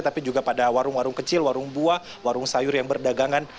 tapi juga pada warung warung kecil warung buah warung sayur yang berdagangan